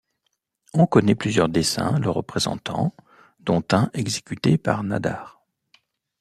On connaît plusieurs dessins le représentant, dont un exécuté par Nadar.